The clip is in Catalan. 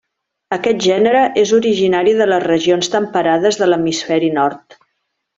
Aquest gènere és originari de les regions temperades de l'hemisferi nord.